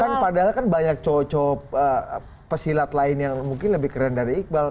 kan padahal kan banyak cocok pesilat lain yang mungkin lebih keren dari iqbal